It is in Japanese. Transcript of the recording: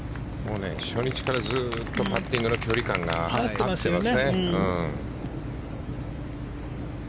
初日からずっとパッティングの距離感が合ってますよね。